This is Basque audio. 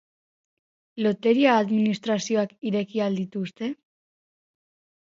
Loteria-administrazioak ireki ahal dituzte?